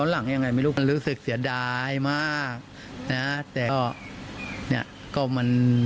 น้ำแข็งว่าซื้อขายเสร็จแล้ว